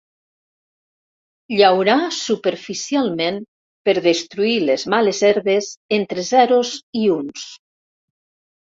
Llaurar superficialment per destruir les males herbes entre zeros i uns.